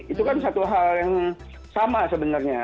itu kan satu hal yang sama sebenarnya